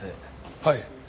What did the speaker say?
はい。